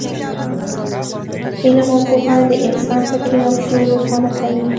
علم او پوهه د انسان فکر او شعور روښانه کوي.